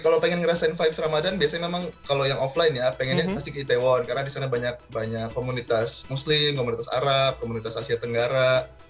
kalau pengen ngerasain vibes ramadhan biasanya memang kalau yang offline ya pengennya pasti ke itaewon karena di sana banyak komunitas muslim komunitas arab komunitas asia tenggara